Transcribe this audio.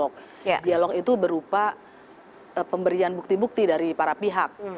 harusnya ada dialog dialog itu berupa pemberian bukti bukti dari para pihak